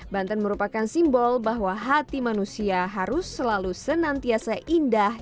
banten merupakan simbol bahwa hati manusia harus selalu senantiasa indah